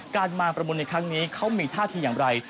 การมาประมูลในครั้งนี้เขามีท่าทีอย่างไร